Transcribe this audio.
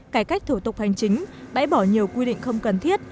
cải cách thủ tục hành chính bãi bỏ nhiều quy định không cần thiết